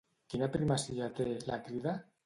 Quina primacia té, la Crida?